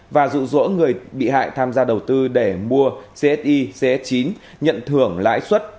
và rụ rỗ người bị hại tham gia đầu tư để mua csd cs chín nhận thưởng lãi xuất